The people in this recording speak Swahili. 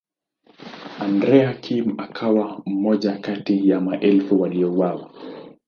Andrea Kim akawa mmoja kati ya maelfu waliouawa.